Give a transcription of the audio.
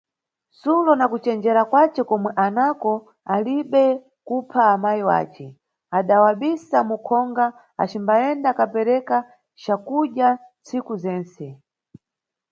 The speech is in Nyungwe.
Sulo nakucenjera kwace komwe anako ali be kupha amayi yace, adawabisa mukhonga acimbayenda kapereka cakudya tsiku zense.